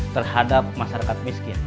terhadap masyarakat miskin